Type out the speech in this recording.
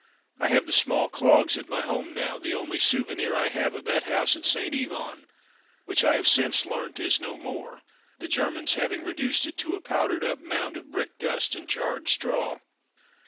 I have the small clogs at my home now, the only souvenir I have of that house at St. Yvon, which I have since learnt is no more, the Germans having reduced it to a powdered up mound of brick dust and charred straw.